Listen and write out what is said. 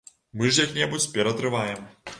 Мы ж як-небудзь ператрываем.